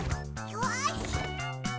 よし！